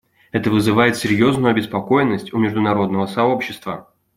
Это вызывает серьезную обеспокоенность у международного сообщества.